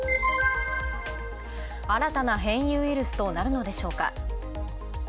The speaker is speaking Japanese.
新たな変異ウイルスとなるのでしょうか。